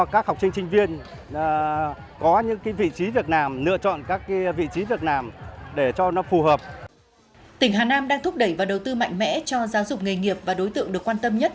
các em cũng đã có những việc làm mà các doanh nghiệp đáp ứng sau khi các em ra trường